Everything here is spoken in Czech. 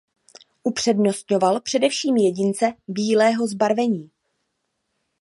Upřednostňoval především jedince bílého zbarvení.